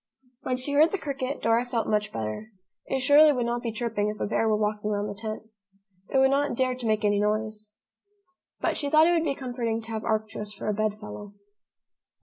When she heard the cricket, Dora felt much better. It surely would not be chirping if a bear were walking round the tent. It would not dare to make any noise. But she thought it would be comforting to have Arcturus for a bed fellow.